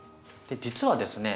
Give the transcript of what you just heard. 実はですね